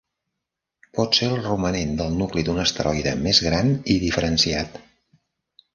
Pot ser el romanent del nucli d'un asteroide més gran i diferenciat.